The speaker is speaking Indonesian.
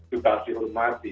juga harus dihormati